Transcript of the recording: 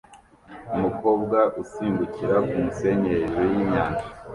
Umukobwa usimbukira kumusenyi hejuru yinyanja